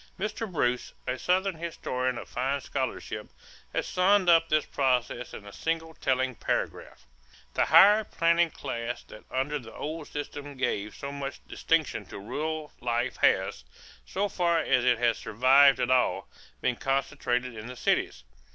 Mr. Bruce, a Southern historian of fine scholarship, has summed up this process in a single telling paragraph: "The higher planting class that under the old system gave so much distinction to rural life has, so far as it has survived at all, been concentrated in the cities.